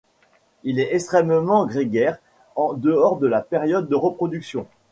Il est extrêmement grégaire en dehors de la période de reproduction.